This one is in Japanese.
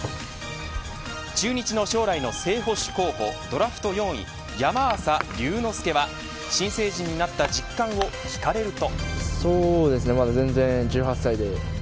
中日の将来の正捕手候補ドラフト４位山浅龍之介は新成人になった実感を聞かれると。